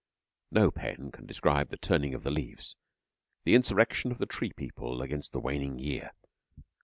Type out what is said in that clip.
No pen can describe the turning of the leaves the insurrection of the tree people against the waning year.